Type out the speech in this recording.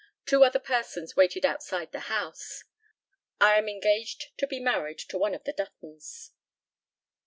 Two other persons waited outside the house. I am engaged to be married to one of the Duttons.